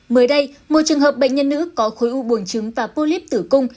mới đây một trường hợp bệnh nhân nữ có khối u buồng trứng và polip tử cung